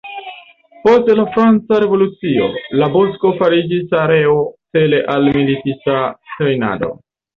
Post la franca revolucio, la bosko fariĝis areo cele al militista trejnado.